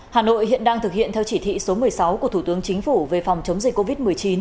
hà nội hiện đang thực hiện theo chỉ thị số một mươi sáu của thủ tướng chính phủ về phòng chống dịch covid một mươi chín